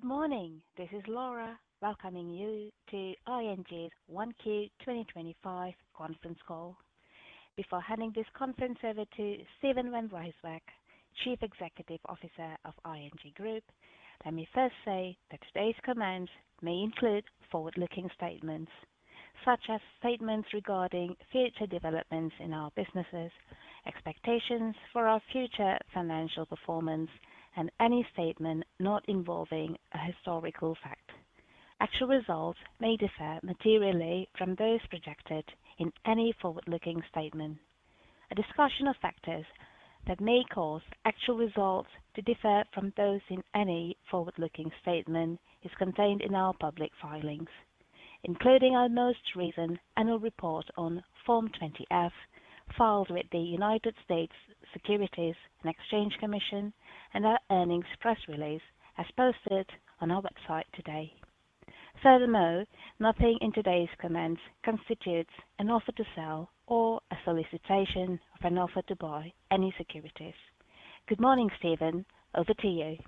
Good morning. This is Laura welcoming you to ING's 1Q2025 Conference Call. Before handing this conference over to Steven van Rijswijk, Chief Executive Officer of ING Group, let me first say that today's comments may include forward-looking statements, such as statements regarding future developments in our businesses, expectations for our future financial performance, and any statement not involving a historical fact. Actual results may differ materially from those projected in any forward-looking statement. A discussion of factors that may cause actual results to differ from those in any forward-looking statement is contained in our public filings, including our most recent annual report on Form 20-F filed with the United States Securities and Exchange Commission and our earnings press release as posted on our website today. Furthermore, nothing in today's comments constitutes an offer to sell or a solicitation of an offer to buy any securities. Good morning, Steven. Over to you.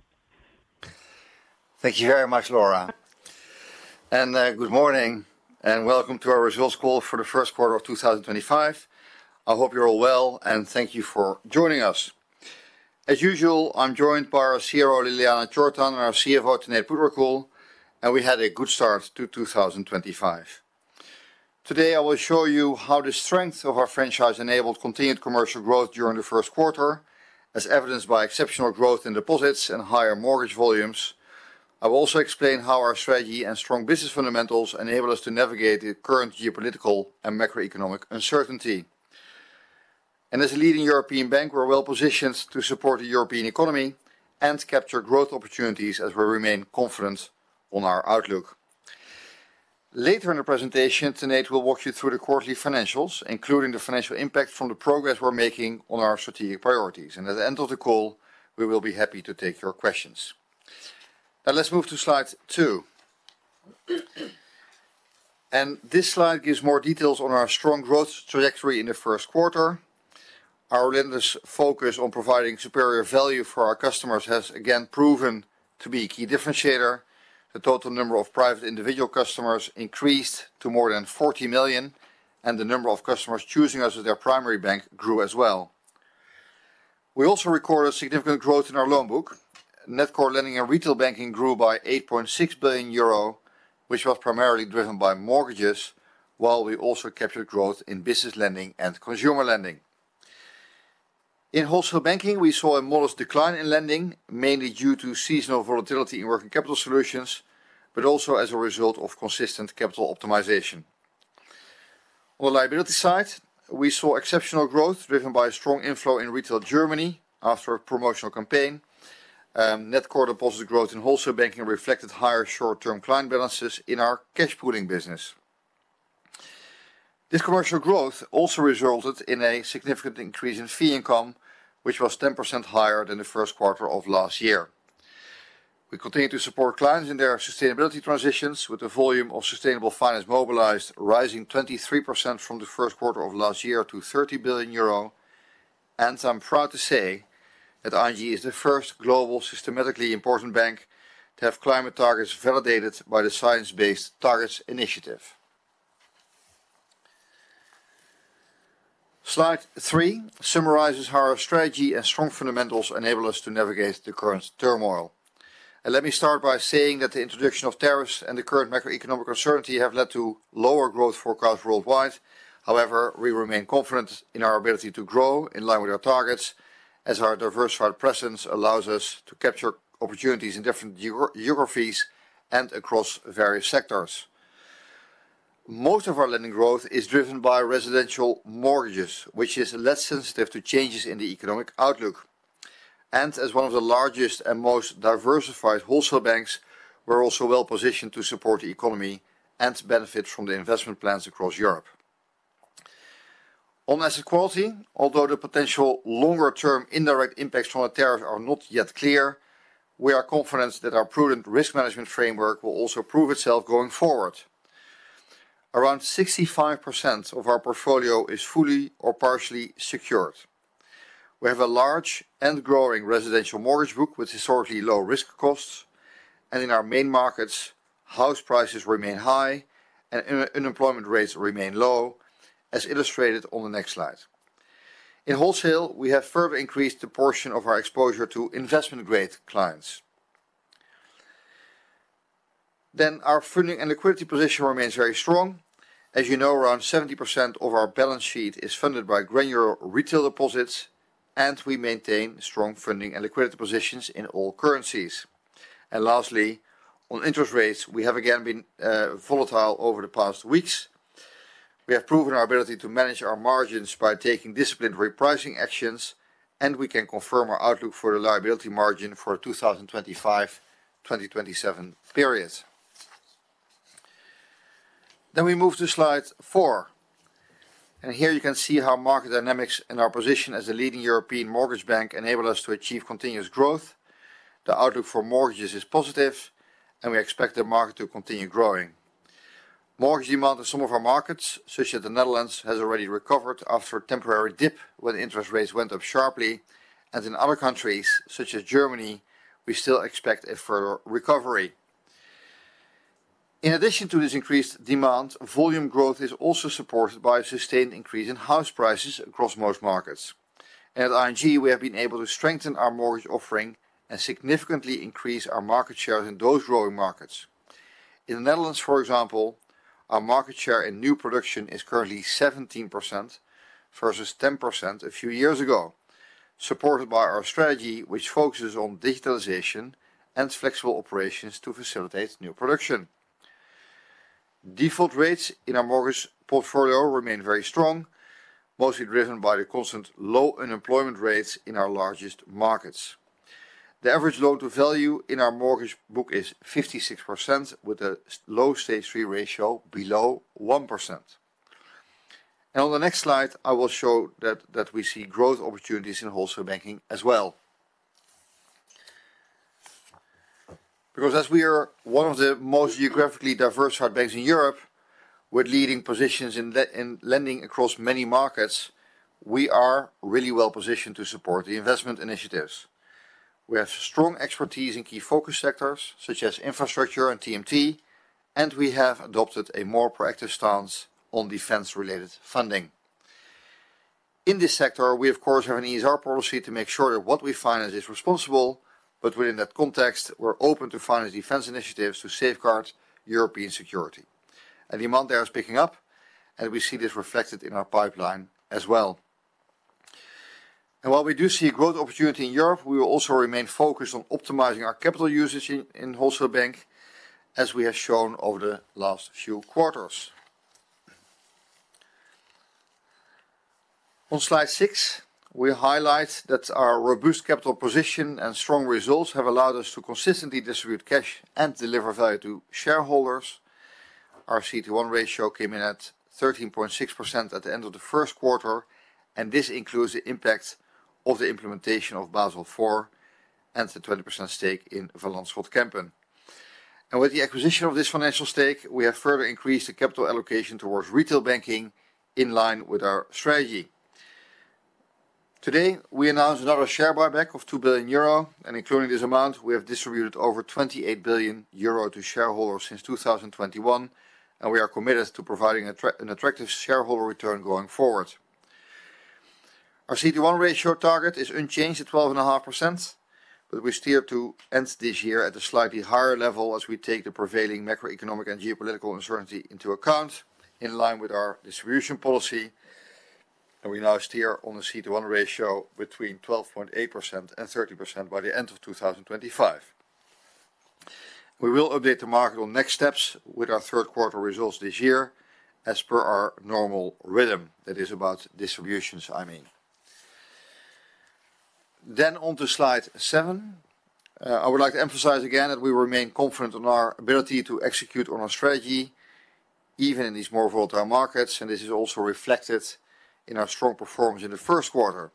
Thank you very much, Laura. Good morning and welcome to our Results Call for the First Quarter of 2025. I hope you're all well, and thank you for joining us. As usual, I'm joined by our CRO, Ljiljana Čortan, and our CFO, Tanate Phutrakul, and we had a good start to 2025. Today, I will show you how the strength of our franchise enabled continued commercial growth during the first quarter, as evidenced by exceptional growth in deposits and higher mortgage volumes. I will also explain how our strategy and strong business fundamentals enable us to navigate the current geopolitical and macroeconomic uncertainty. As a leading European bank, we're well positioned to support the European economy and capture growth opportunities as we remain confident on our outlook. Later in the presentation, Tanate will walk you through the quarterly financials, including the financial impact from the progress we're making on our strategic priorities. At the end of the call, we will be happy to take your questions. Now, let's move to slide two. This slide gives more details on our strong growth trajectory in the first quarter. Our relentless focus on providing superior value for our customers has again proven to be a key differentiator. The total number of private individual customers increased to more than 40 million, and the number of customers choosing us as their primary bank grew as well. We also recorded significant growth in our loan book. Net core lending in retail banking grew by 8.6 billion euro, which was primarily driven by mortgages, while we also captured growth in business lending and consumer lending. In wholesale banking, we saw a modest decline in lending, mainly due to seasonal volatility in working capital solutions, but also as a result of consistent capital optimization. On the liability side, we saw exceptional growth driven by a strong inflow in retail Germany after a promotional campaign. Net core deposit growth in wholesale banking reflected higher short-term client balances in our cash pooling business. This commercial growth also resulted in a significant increase in fee income, which was 10% higher than the first quarter of last year. We continue to support clients in their sustainability transitions, with the volume of sustainable finance mobilized rising 23% from the first quarter of last year to 30 billion euro. I am proud to say that ING is the first global systematically important bank to have climate targets validated by the Science Based Targets initiative. Slide three summarizes how our strategy and strong fundamentals enable us to navigate the current turmoil. Let me start by saying that the introduction of tariffs and the current macroeconomic uncertainty have led to lower growth forecasts worldwide. However, we remain confident in our ability to grow in line with our targets, as our diversified presence allows us to capture opportunities in different geographies and across various sectors. Most of our lending growth is driven by residential mortgages, which is less sensitive to changes in the economic outlook. As one of the largest and most diversified wholesale banks, we're also well positioned to support the economy and benefit from the investment plans across Europe. On asset quality, although the potential longer-term indirect impacts from the tariffs are not yet clear, we are confident that our prudent risk management framework will also prove itself going forward. Around 65% of our portfolio is fully or partially secured. We have a large and growing residential mortgage book with historically low risk costs. In our main markets, house prices remain high and unemployment rates remain low, as illustrated on the next slide. In wholesale, we have further increased the portion of our exposure to investment-grade clients. Our funding and liquidity position remains very strong. As you know, around 70% of our balance sheet is funded by granular retail deposits, and we maintain strong funding and liquidity positions in all currencies. Lastly, on interest rates, they have again been volatile over the past weeks. We have proven our ability to manage our margins by taking disciplined repricing actions, and we can confirm our outlook for the liability margin for the 2025-2027 period. We move to slide four. Here you can see how market dynamics and our position as a leading European mortgage bank enable us to achieve continuous growth. The outlook for mortgages is positive, and we expect the market to continue growing. Mortgage demand in some of our markets, such as the Netherlands, has already recovered after a temporary dip when interest rates went up sharply. In other countries, such as Germany, we still expect a further recovery. In addition to this increased demand, volume growth is also supported by a sustained increase in house prices across most markets. At ING, we have been able to strengthen our mortgage offering and significantly increase our market share in those growing markets. In the Netherlands, for example, our market share in new production is currently 17% versus 10% a few years ago, supported by our strategy, which focuses on digitalization and flexible operations to facilitate new production. Default rates in our mortgage portfolio remain very strong, mostly driven by the constant low unemployment rates in our largest markets. The average loan-to-value in our mortgage book is 56%, with a low stage-three ratio below 1%. On the next slide, I will show that we see growth opportunities in wholesale banking as well. Because we are one of the most geographically diversified banks in Europe, with leading positions in lending across many markets, we are really well positioned to support the investment initiatives. We have strong expertise in key focus sectors such as infrastructure and TMT, and we have adopted a more proactive stance on defense-related funding. In this sector, we, of course, have an ESR policy to make sure that what we finance is responsible, but within that context, we're open to finance defense initiatives to safeguard European security. The amount there is picking up, and we see this reflected in our pipeline as well. While we do see growth opportunity in Europe, we will also remain focused on optimizing our capital usage in wholesale bank, as we have shown over the last few quarters. On slide six, we highlight that our robust capital position and strong results have allowed us to consistently distribute cash and deliver value to shareholders. Our CET1 ratio came in at 13.6% at the end of the first quarter, and this includes the impact of the implementation of Basel IV and the 20% stake in Van Lanschot Kempen. With the acquisition of this financial stake, we have further increased the capital allocation towards retail banking in line with our strategy. Today, we announced another share buyback of 2 billion euro, and including this amount, we have distributed over 28 billion euro to shareholders since 2021, and we are committed to providing an attractive shareholder return going forward. Our CET1 ratio target is unchanged at 12.5%, but we steer to end this year at a slightly higher level as we take the prevailing macroeconomic and geopolitical uncertainty into account in line with our distribution policy. We now steer on a CET1 ratio between 12.8% and 13.0% by the end of 2025. We will update the market on next steps with our third quarter results this year, as per our normal rhythm. That is about distributions, I mean. On to slide seven, I would like to emphasize again that we remain confident in our ability to execute on our strategy, even in these more volatile markets, and this is also reflected in our strong performance in the first quarter.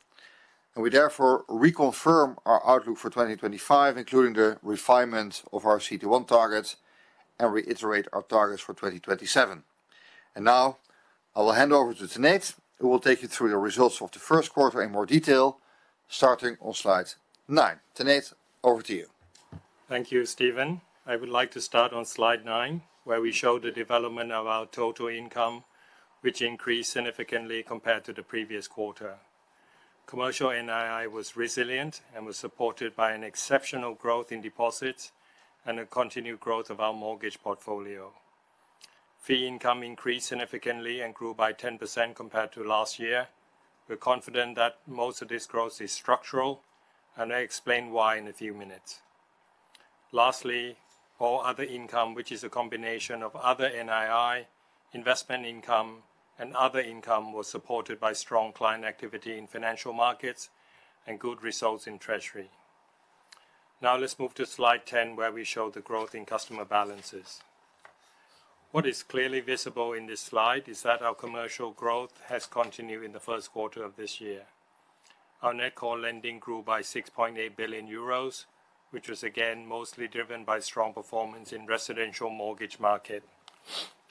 We therefore reconfirm our outlook for 2025, including the refinement of our C21 targets and reiterate our targets for 2027. Now I will hand over to Tanate, who will take you through the results of the first quarter in more detail, starting on slide nine. Tanate, over to you. Thank you, Stephen. I would like to start on slide nine, where we show the development of our total income, which increased significantly compared to the previous quarter. Commercial NII was resilient and was supported by an exceptional growth in deposits and a continued growth of our mortgage portfolio. Fee income increased significantly and grew by 10% compared to last year. We're confident that most of this growth is structural, and I'll explain why in a few minutes. Lastly, all other income, which is a combination of other NII, investment income, and other income, was supported by strong client activity in financial markets and good results in treasury. Now let's move to slide ten, where we show the growth in customer balances. What is clearly visible in this slide is that our commercial growth has continued in the first quarter of this year. Our net core lending grew by 6.8 billion euros, which was again mostly driven by strong performance in the residential mortgage market.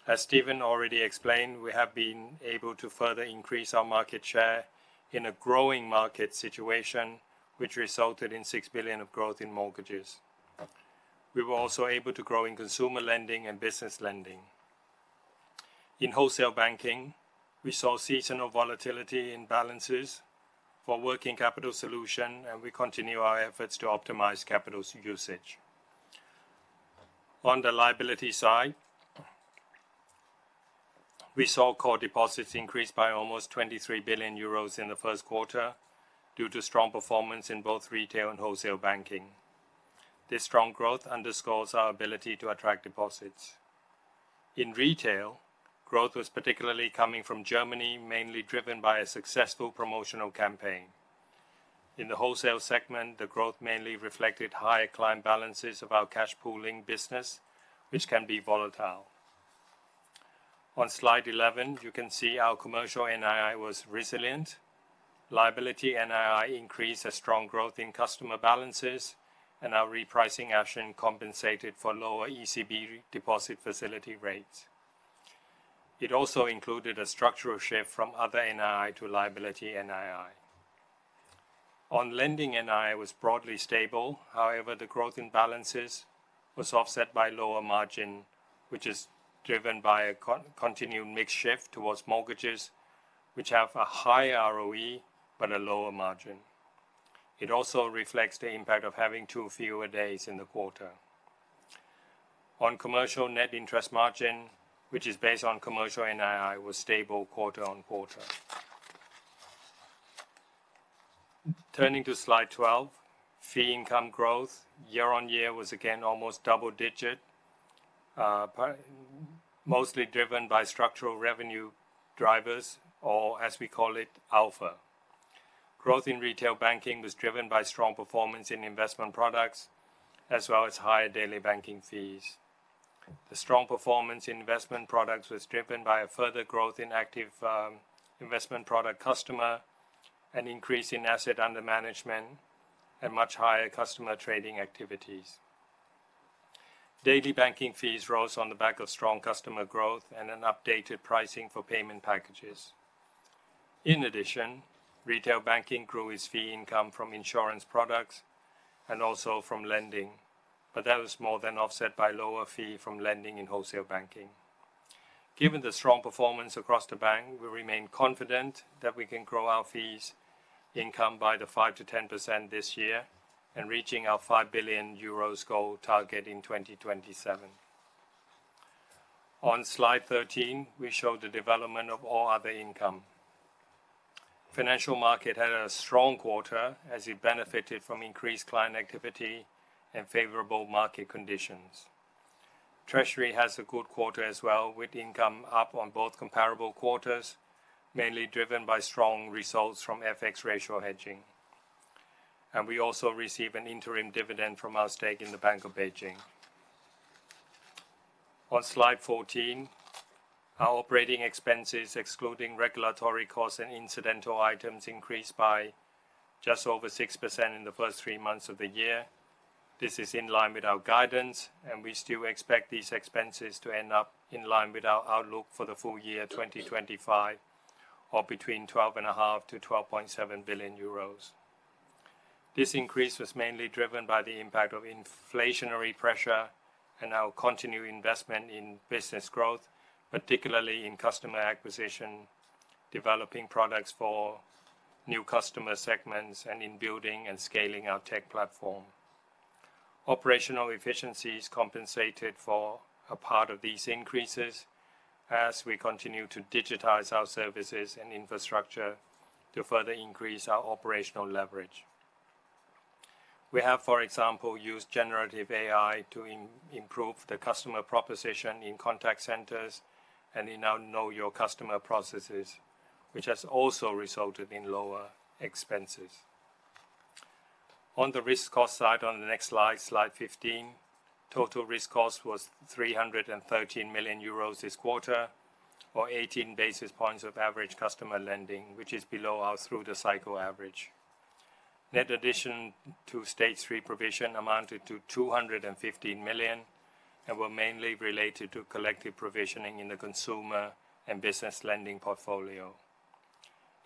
As Steven already explained, we have been able to further increase our market share in a growing market situation, which resulted in 6 billion of growth in mortgages. We were also able to grow in consumer lending and business lending. In wholesale banking, we saw seasonal volatility in balances for working capital solutions, and we continue our efforts to optimize capital usage. On the liability side, we saw core deposits increase by almost 23 billion euros in the first quarter due to strong performance in both retail and wholesale banking. This strong growth underscores our ability to attract deposits. In retail, growth was particularly coming from Germany, mainly driven by a successful promotional campaign. In the wholesale segment, the growth mainly reflected higher client balances of our cash pooling business, which can be volatile. On slide 11, you can see our commercial NII was resilient. Liability NII increased as strong growth in customer balances, and our repricing action compensated for lower ECB deposit facility rates. It also included a structural shift from other NII to liability NII. On lending, NII was broadly stable. However, the growth in balances was offset by lower margin, which is driven by a continued mixed shift towards mortgages, which have a higher ROE but a lower margin. It also reflects the impact of having too few days in the quarter. On commercial net interest margin, which is based on commercial NII, was stable quarter on quarter. Turning to slide 12, fee income growth year on year was again almost double-digit, mostly driven by structural revenue drivers, or as we call it, alpha. Growth in retail banking was driven by strong performance in investment products, as well as higher daily banking fees. The strong performance in investment products was driven by a further growth in active investment product customer, an increase in asset under management, and much higher customer trading activities. Daily banking fees rose on the back of strong customer growth and an updated pricing for payment packages. In addition, retail banking grew its fee income from insurance products and also from lending, but that was more than offset by lower fee from lending in wholesale banking. Given the strong performance across the bank, we remain confident that we can grow our fee income by the 5-10% this year and reaching our 5 billion euros goal target in 2027. On slide 13, we show the development of all other income. Financial markets had a strong quarter as it benefited from increased client activity and favorable market conditions. Treasury has a good quarter as well, with income up on both comparable quarters, mainly driven by strong results from FX ratio hedging. We also receive an interim dividend from our stake in Bank of Beijing. On slide 14, our operating expenses, excluding regulatory costs and incidental items, increased by just over 6% in the first three months of the year. This is in line with our guidance, and we still expect these expenses to end up in line with our outlook for the full year 2025, or between 12.5 billion and 12.7 billion euros. This increase was mainly driven by the impact of inflationary pressure and our continued investment in business growth, particularly in customer acquisition, developing products for new customer segments, and in building and scaling our tech platform. Operational efficiencies compensated for a part of these increases as we continue to digitize our services and infrastructure to further increase our operational leverage. We have, for example, used generative AI to improve the customer proposition in contact centers and in our know-your-customer processes, which has also resulted in lower expenses. On the risk-cost side, on the next slide, slide 15, total risk-cost was 313 million euros this quarter, or 18 basis points of average customer lending, which is below our through-the-cycle average. Net addition to stage three provision amounted to 215 million and were mainly related to collective provisioning in the consumer and business lending portfolio.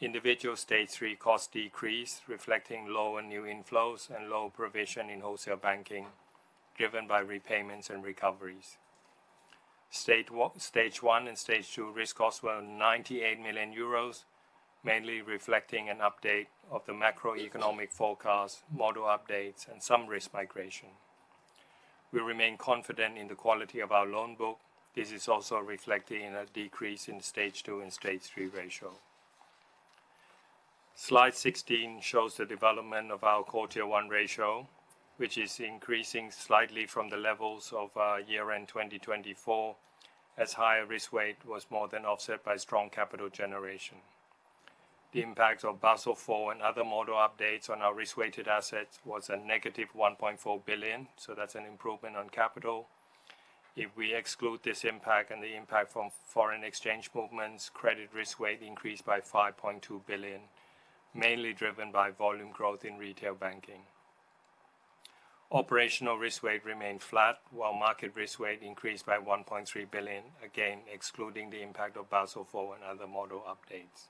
Individual stage three cost decrease, reflecting lower new inflows and low provision in wholesale banking, driven by repayments and recoveries. Stage one and stage two risk-costs were 98 million euros, mainly reflecting an update of the macroeconomic forecast, model updates, and some risk migration. We remain confident in the quality of our loan book. This is also reflected in a decrease in stage two and stage three ratio. Slide 16 shows the development of our quarter one ratio, which is increasing slightly from the levels of year-end 2024, as higher risk-weight was more than offset by strong capital generation. The impact of Basel IV and other model updates on our risk-weighted assets was a -1.4 billion, so that's an improvement on capital. If we exclude this impact and the impact from foreign exchange movements, credit risk-weight increased by 5.2 billion, mainly driven by volume growth in retail banking. Operational risk-weight remained flat, while market risk-weight increased by 1.3 billion, again excluding the impact of Basel IV and other model updates.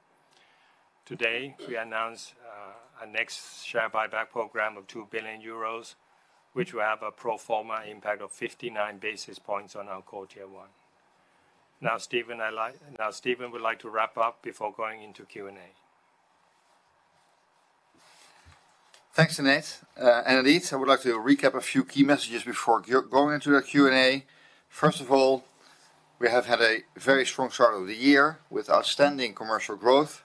Today, we announced a next share buyback program of 2 billion euros, which will have a pro forma impact of 59 basis points on our quarter one. Now, Steven, I'd like now Steven would like to wrap up before going into Q&A. Thanks, Tanate. I would like to recap a few key messages before going into the Q&A. First of all, we have had a very strong start of the year with outstanding commercial growth,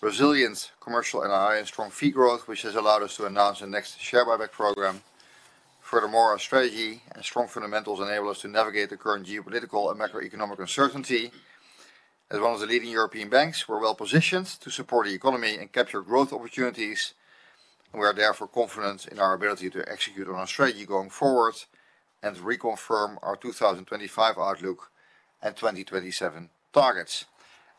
resilient commercial NII, and strong fee growth, which has allowed us to announce the next share buyback program. Furthermore, our strategy and strong fundamentals enable us to navigate the current geopolitical and macroeconomic uncertainty. As one of the leading European banks, we're well positioned to support the economy and capture growth opportunities, and we are therefore confident in our ability to execute on our strategy going forward and reconfirm our 2025 outlook and 2027 targets.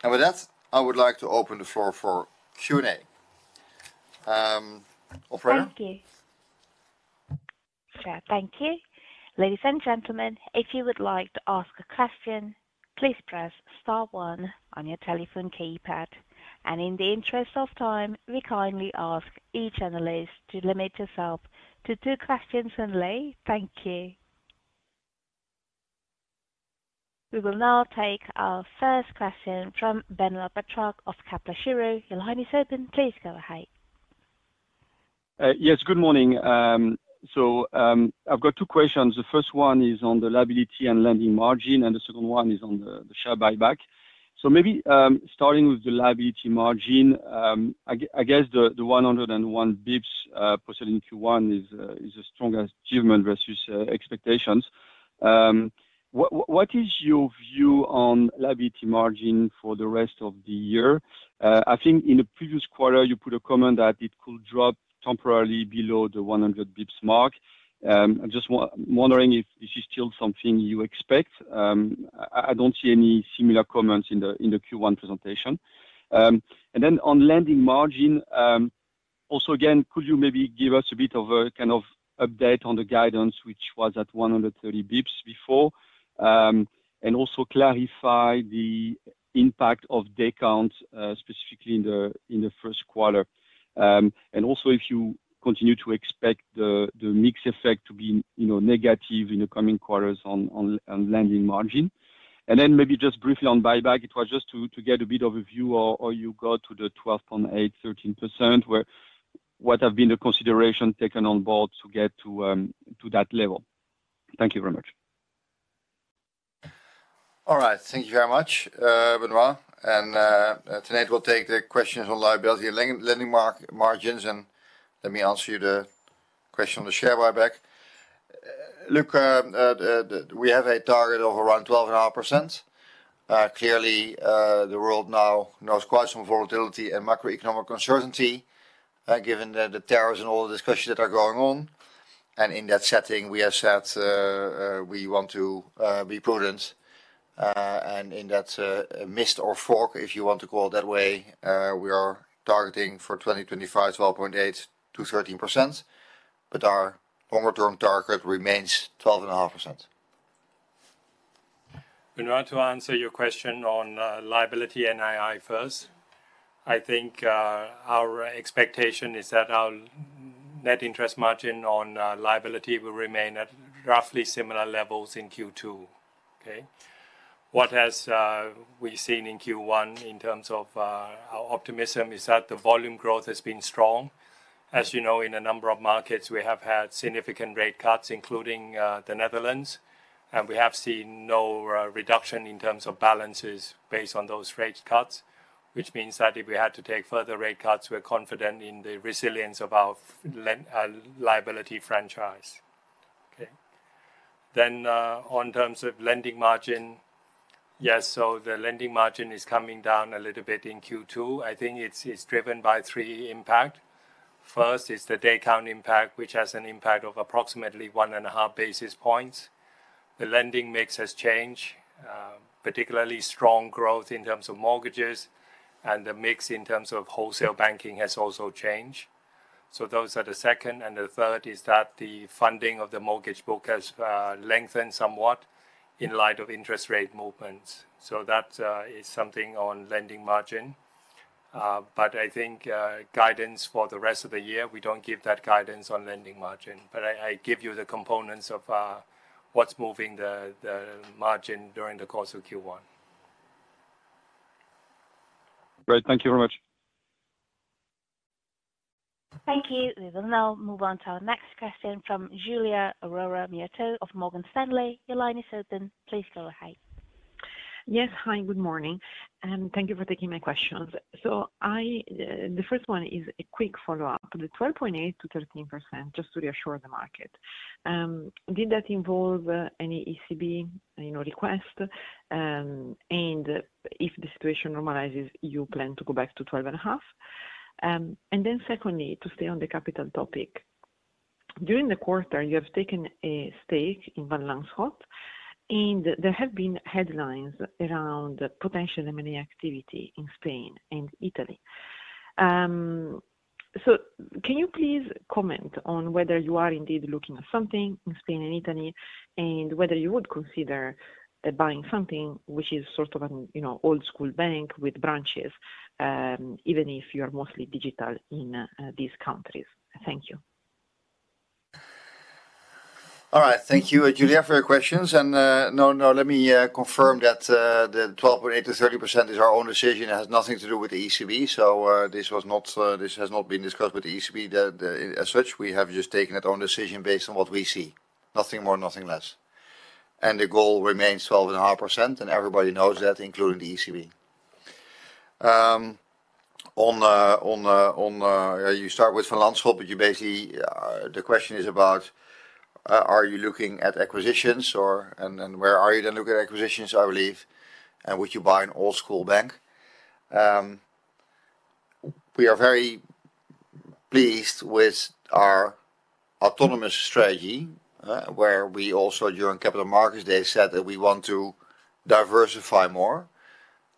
With that, I would like to open the floor for Q&A. Thank you. Thank you. Ladies and gentlemen, if you would like to ask a question, please press star one on your telephone keypad. In the interest of time, we kindly ask each analyst to limit herself to two questions only. Thank you. We will now take our first question from Benoit Patchard of Kepler Cheuvreux. Your line is open. Please go ahead. Yes, good morning. I've got two questions. The first one is on the liability and lending margin, and the second one is on the share buyback. Maybe starting with the liability margin, I guess the 101 basis points posted into one is a strong achievement versus expectations. What is your view on liability margin for the rest of the year? I think in the previous quarter, you put a comment that it could drop temporarily below the 100 basis points mark. I'm just wondering if this is still something you expect. I do not see any similar comments in the Q1 presentation. On lending margin, also again, could you maybe give us a bit of a kind of update on the guidance, which was at 130 basis points before, and also clarify the impact of daycounts specifically in the first quarter? If you continue to expect the mixed effect to be negative in the coming quarters on lending margin. Maybe just briefly on buyback, it was just to get a bit of a view, or you got to the 12.8%-13%, where what have been the considerations taken on board to get to that level? Thank you very much. All right. Thank you very much, Benoit. Tanate will take the questions on liability and lending margins, and let me answer you the question on the share buyback. Look, we have a target of around 12.5%. Clearly, the world now knows quite some volatility and macroeconomic uncertainty, given the tariffs and all the discussions that are going on. In that setting, we have said we want to be prudent. In that mist or fog, if you want to call it that way, we are targeting for 2025, 12.8% -13%, but our longer-term target remains 12.5%. Benoit, to answer your question on liability NII first, I think our expectation is that our net interest margin on liability will remain at roughly similar levels in Q2. Okay? What we have seen in Q1 in terms of our optimism is that the volume growth has been strong. As you know, in a number of markets, we have had significant rate cuts, including the Netherlands, and we have seen no reduction in terms of balances based on those rate cuts, which means that if we had to take further rate cuts, we're confident in the resilience of our liability franchise. Okay? In terms of lending margin, yes, the lending margin is coming down a little bit in Q2. I think it's driven by three impacts. First is the daycount impact, which has an impact of approximately one and a half basis points. The lending mix has changed, particularly strong growth in terms of mortgages, and the mix in terms of wholesale banking has also changed. Those are the second. The third is that the funding of the mortgage book has lengthened somewhat in light of interest rate movements. That is something on lending margin. I think guidance for the rest of the year, we don't give that guidance on lending margin. I give you the components of what's moving the margin during the course of Q1. Great. Thank you very much. Thank you. We will now move on to our next question from Giulia Aurora Miotto of Morgan Stanley. Your line is open. Please go ahead. Yes. Hi, good morning. Thank you for taking my questions. The first one is a quick follow-up. The 12.8%-13%, just to reassure the market, did that involve any ECB request? If the situation normalizes, do you plan to go back to 12.5%? Secondly, to stay on the capital topic, during the quarter, you have taken a stake in Van Lanschot, and there have been headlines around potential M&A activity in Spain and Italy. Can you please comment on whether you are indeed looking at something in Spain and Italy, and whether you would consider buying something which is sort of an old-school bank with branches, even if you are mostly digital in these countries? Thank you. All right. Thank you, Julia, for your questions. No, let me confirm that the 12.8%-13% is our own decision. It has nothing to do with the ECB. This has not been discussed with the ECB as such. We have just taken that own decision based on what we see. Nothing more, nothing less. The goal remains 12.5%, and everybody knows that, including the ECB. You start with Van Lanschot, but the question is about, are you looking at acquisitions? And where are you going to look at acquisitions, I believe? Would you buy an old-school bank? We are very pleased with our autonomous strategy, where we also, during Capital Markets Day, said that we want to diversify more,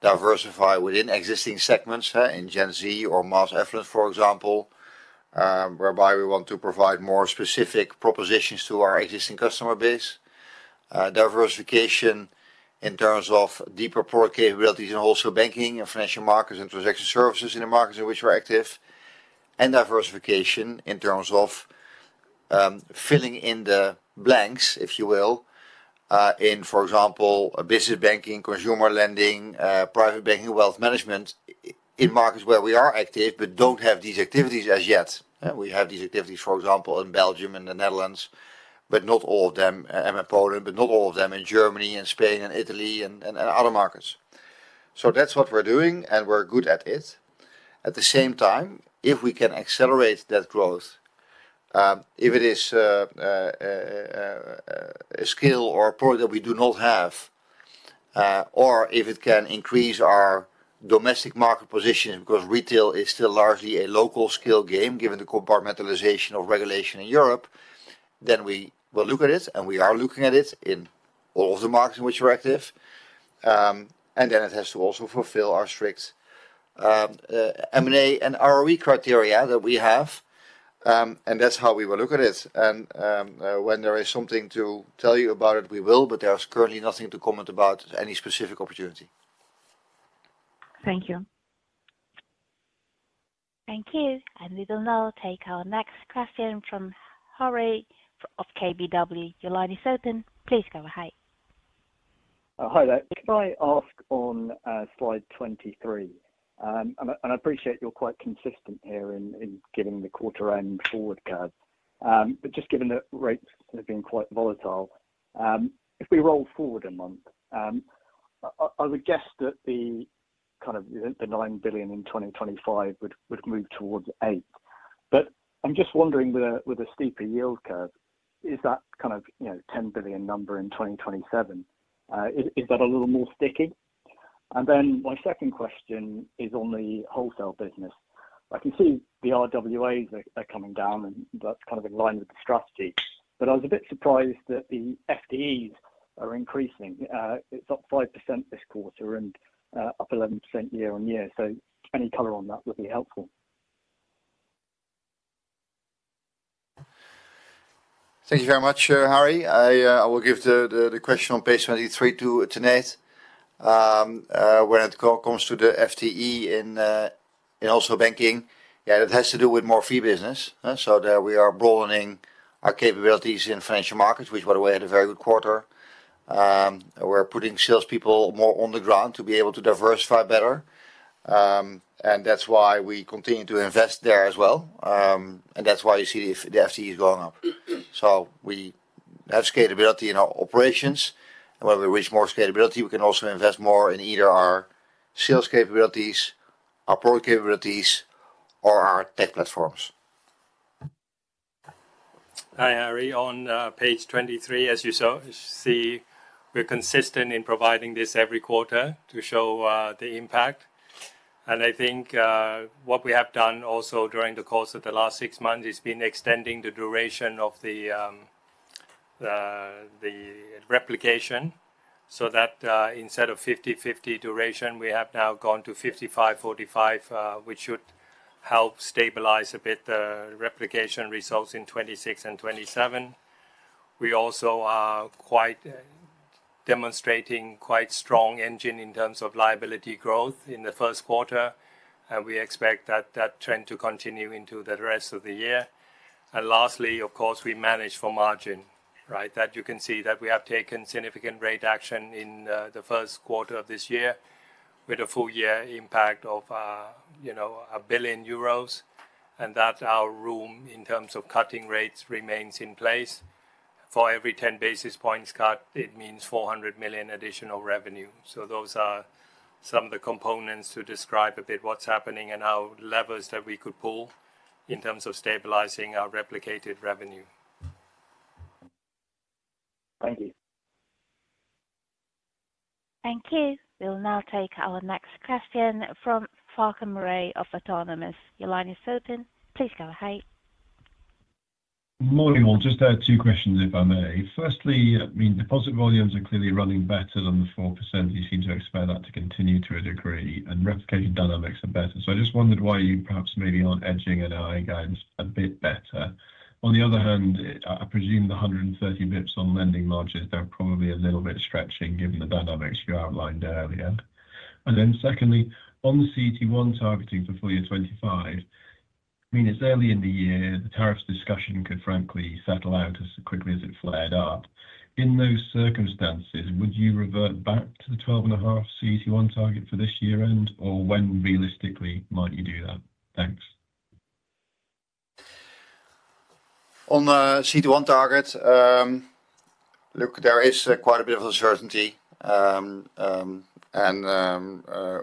diversify within existing segments in Gen Z or mass affluent, for example, whereby we want to provide more specific propositions to our existing customer base. Diversification in terms of deeper product capabilities in wholesale banking and financial markets and transaction services in the markets in which we're active. Diversification in terms of filling in the blanks, if you will, in, for example, business banking, consumer lending, private banking, wealth management in markets where we are active but don't have these activities as yet. We have these activities, for example, in Belgium and the Netherlands, but not all of them, and Poland, but not all of them in Germany and Spain and Italy and other markets. That's what we're doing, and we're good at it. At the same time, if we can accelerate that growth, if it is a skill or a product that we do not have, or if it can increase our domestic market position because retail is still largely a local skill game given the compartmentalization of regulation in Europe, we will look at it, and we are looking at it in all of the markets in which we're active. It has to also fulfill our strict M&A and ROE criteria that we have, and that's how we will look at it. When there is something to tell you about it, we will, but there's currently nothing to comment about any specific opportunity. Thank you. Thank you. We will now take our next question from Hari of KBW. Your line is open. Please go ahead. Hi, there. If I ask on slide 23, and I appreciate you're quite consistent here in giving the quarter-end forward curve, but just given that rates have been quite volatile, if we roll forward a month, I would guess that the kind of the 9 billion in 2025 would move towards 8 billion. I'm just wondering, with a steeper yield curve, is that kind of 10 billion number in 2027? Is that a little more sticky? My second question is on the wholesale business. I can see the RWAs are coming down, and that's kind of in line with the strategy. I was a bit surprised that the FDEs are increasing. It's up 5% this quarter and up 11% year on year. Any color on that would be helpful. Thank you very much, Hari. I will give the question on page 23 to Tanate. When it comes to the FDE in wholesale banking, yeah, that has to do with more fee business. We are broadening our capabilities in financial markets, which, by the way, had a very good quarter. We are putting salespeople more on the ground to be able to diversify better. That is why we continue to invest there as well. That is why you see the FDEs going up. We have scalability in our operations. When we reach more scalability, we can also invest more in either our sales capabilities, our product capabilities, or our tech platforms. Hi, Hari. On page 23, as you see, we're consistent in providing this every quarter to show the impact. I think what we have done also during the course of the last six months is been extending the duration of the replication so that instead of 50/50 duration, we have now gone to 55/45, which should help stabilize a bit the replication results in 2026 and 2027. We also are demonstrating quite a strong engine in terms of liability growth in the first quarter. We expect that trend to continue into the rest of the year. Lastly, of course, we manage for margin, right? You can see that we have taken significant rate action in the first quarter of this year with a full-year impact of 1 billion euros, and that our room in terms of cutting rates remains in place. For every 10 basis points cut, it means 400 million additional revenue. Those are some of the components to describe a bit what's happening and our levers that we could pull in terms of stabilizing our replicated revenue. Thank you. Thank you. We'll now take our next question from Farquhar Murray of Autonomous. Your line is open. Please go ahead. Good morning. Just two questions, if I may. Firstly, I mean, deposit volumes are clearly running better than the 4%. You seem to expect that to continue to a degree. And replication dynamics are better. I just wondered why you perhaps maybe are not edging NRI guidance a bit better. On the other hand, I presume the 130 basis points on lending margins are probably a little bit stretching given the dynamics you outlined earlier. Secondly, on the CET1 targeting for full year 2025, I mean, it is early in the year. The tariffs discussion could frankly settle out as quickly as it flared up. In those circumstances, would you revert back to the 12.5% CET1 target for this year-end, or when realistically might you do that? Thanks. On the CET1 target, look, there is quite a bit of uncertainty.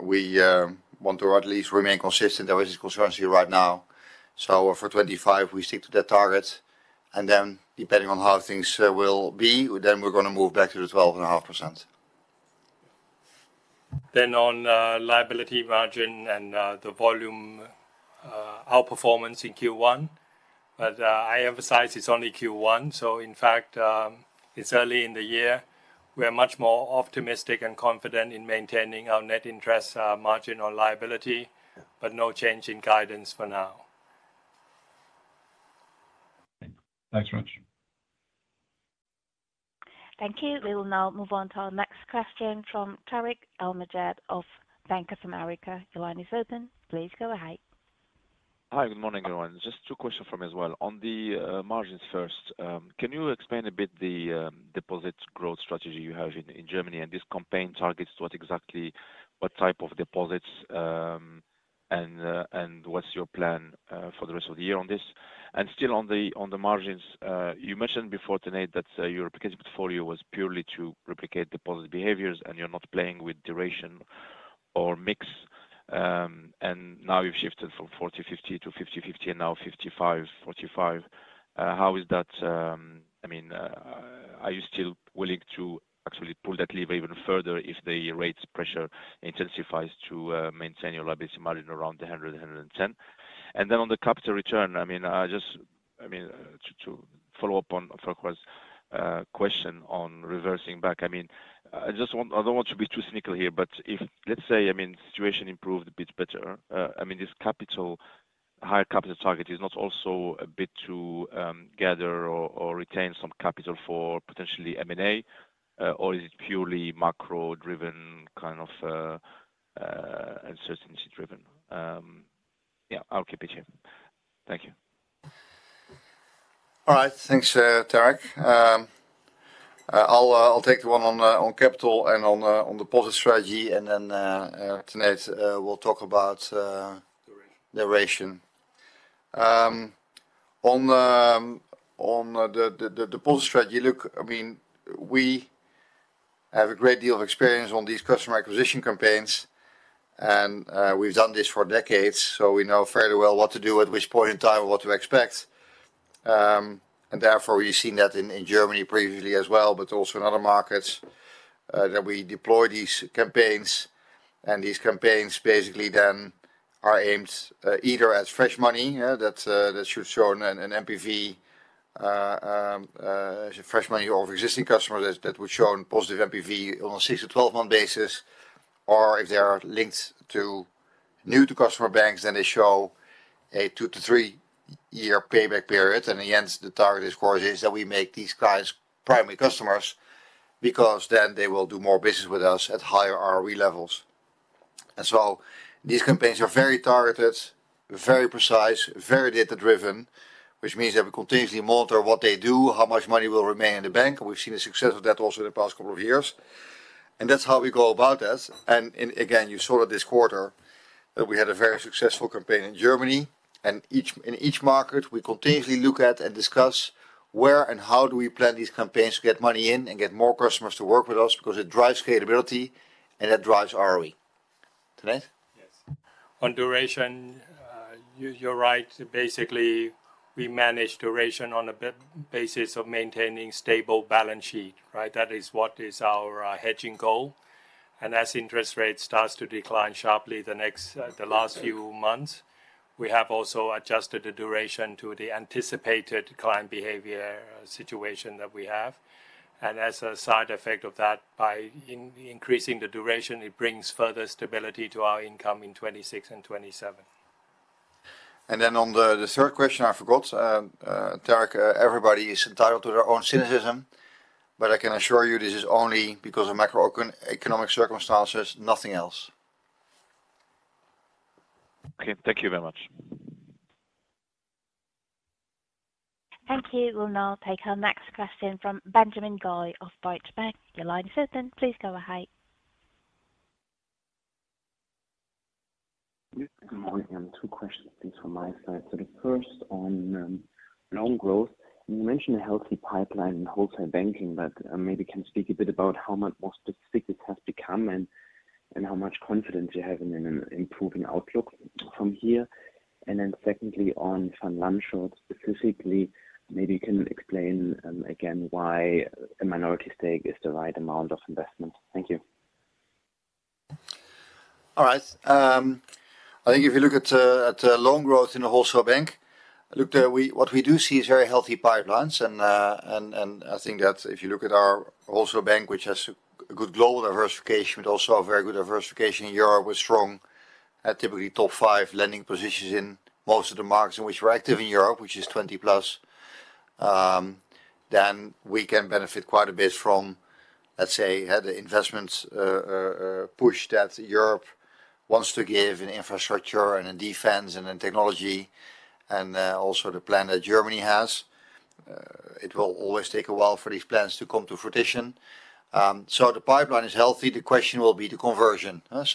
We want to at least remain consistent. There is this concern right now. For 2025, we stick to that target. Depending on how things will be, we are going to move back to the 12.5%. On liability margin and the volume outperformance in Q1, I emphasize it's only Q1. In fact, it's early in the year. We are much more optimistic and confident in maintaining our net interest margin on liability, but no change in guidance for now. Thanks very much. Thank you. We will now move on to our next question from Tarik El Mejjad of Bank of America. Your line is open. Please go ahead. Hi, good morning, everyone. Just two questions for me as well. On the margins first, can you explain a bit the deposit growth strategy you have in Germany? This campaign targets what type of deposits, and what's your plan for the rest of the year on this? Still on the margins, you mentioned before, Tanate, that your replication portfolio was purely to replicate deposit behaviors, and you're not playing with duration or mix. Now you've shifted from 40/50 to 50/50 and now 55/45. How is that? I mean, are you still willing to actually pull that lever even further if the rates pressure intensifies to maintain your liability margin around 100-110? On the capital return, just to follow up on Farquhar's question on reversing back, I mean, I don't want to be too cynical here, but if, let's say, the situation improved a bit better, this higher capital target is not also a bit to gather or retain some capital for potentially M&A, or is it purely macro-driven kind of uncertainty-driven? Yeah, I'll keep it here. Thank you. All right. Thanks, Tarik. I'll take the one on capital and on the deposit strategy. Tanate will talk about the duration. On the deposit strategy, look, I mean, we have a great deal of experience on these customer acquisition campaigns. We've done this for decades. We know fairly well what to do at which point in time and what to expect. Therefore, we've seen that in Germany previously as well, but also in other markets that we deploy these campaigns. These campaigns basically then are aimed either at fresh money that should show an MPV, fresh money of existing customers that would show a positive MPV on a 6- to 12-month basis. If they are linked to new-to-customer banks, then they show a 2- to 3-year payback period. In the end, the target, of course, is that we make these clients primary customers because then they will do more business with us at higher ROE levels. These campaigns are very targeted, very precise, very data-driven, which means that we continuously monitor what they do, how much money will remain in the bank. We have seen the success of that also in the past couple of years. That is how we go about that. You saw that this quarter, that we had a very successful campaign in Germany. In each market, we continuously look at and discuss where and how we plan these campaigns to get money in and get more customers to work with us because it drives scalability and it drives ROE. Tanate? Yes. On duration, you're right. Basically, we manage duration on a basis of maintaining a stable balance sheet, right? That is what is our hedging goal. As interest rates start to decline sharply the last few months, we have also adjusted the duration to the anticipated client behavior situation that we have. As a side effect of that, by increasing the duration, it brings further stability to our income in 2026 and 2027. On the third question, I forgot. Tarik, everybody is entitled to their own cynicism, but I can assure you this is only because of macroeconomic circumstances, nothing else. Okay. Thank you very much. Thank you. We'll now take our next question from Benjamin Goy of Deutsche Bank. Your line is open. Please go ahead. Good morning. Two questions from my side. The first on loan growth. You mentioned a healthy pipeline in wholesale banking, but maybe you can speak a bit about how much more specific this has become and how much confidence you have in an improving outlook from here. Secondly, on fund launch short specifically, maybe you can explain again why a minority stake is the right amount of investment. Thank you. All right. I think if you look at loan growth in a wholesale bank, look, what we do see is very healthy pipelines. I think that if you look at our wholesale bank, which has a good global diversification, but also a very good diversification in Europe with strong, typically top five lending positions in most of the markets in which we're active in Europe, which is 20 plus, then we can benefit quite a bit from, let's say, the investment push that Europe wants to give in infrastructure and in defense and in technology and also the plan that Germany has. It will always take a while for these plans to come to fruition. The pipeline is healthy. The question will be the conversion. Of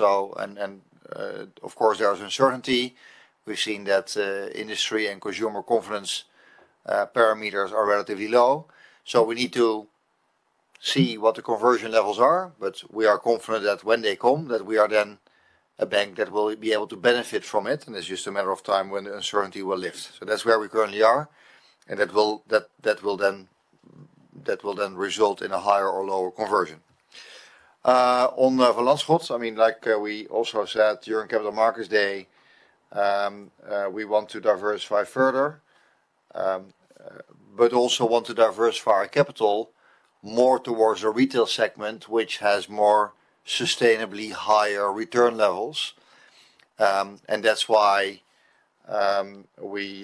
course, there is uncertainty. We've seen that industry and consumer confidence parameters are relatively low. We need to see what the conversion levels are, but we are confident that when they come, we are then a bank that will be able to benefit from it. It is just a matter of time when the uncertainty will lift. That is where we currently are. That will then result in a higher or lower conversion. On fund launch shorts, I mean, like we also said during Capital Markets Day, we want to diversify further, but also want to diversify our capital more towards a retail segment, which has more sustainably higher return levels. That is why we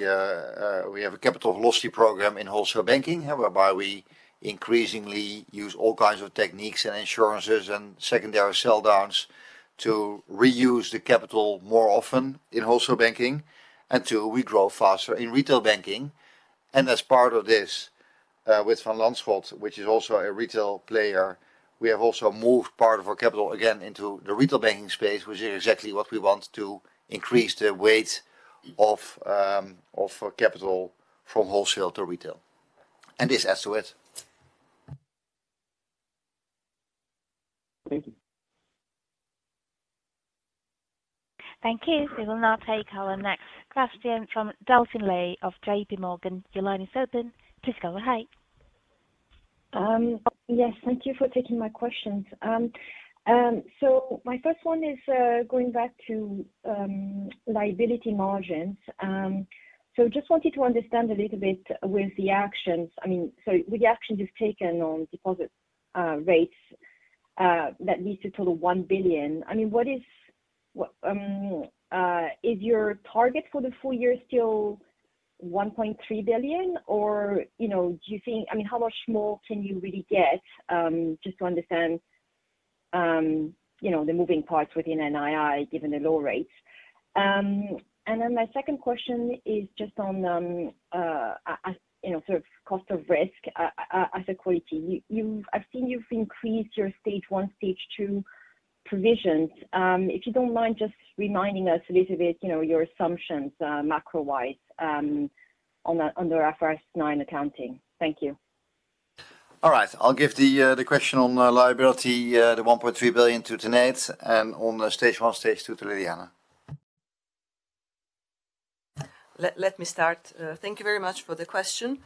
have a capital velocity program in wholesale banking, whereby we increasingly use all kinds of techniques and insurances and secondary sell-downs to reuse the capital more often in wholesale banking and to regrow faster in retail banking. As part of this, with fund launch shorts, which is also a retail player, we have also moved part of our capital again into the retail banking space, which is exactly what we want to increase the weight of capital from wholesale to retail. This adds to it. Thank you. Thank you. We will now take our next question from [Taylor Lai] of JPMorgan. Your line is open. Please go ahead. Yes. Thank you for taking my questions. My first one is going back to liability margins. I just wanted to understand a little bit with the actions, I mean, with the actions you've taken on deposit rates that lead to a total of 1 billion. Is your target for the full year still 1.3 billion, or do you think, I mean, how much more can you really get just to understand the moving parts within NII given the low rates? My second question is just on sort of cost of risk as a quality. I've seen you've increased your stage one, stage two provisions. If you don't mind just reminding us a little bit your assumptions macro-wise under IFRS 9 accounting. Thank you. All right. I'll give the question on liability, the 1.3 billion to Tanate and on stage one, stage two to Ljiljana. Let me start. Thank you very much for the question.